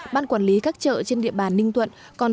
ban quản lý các chợ trên địa bàn ninh thuận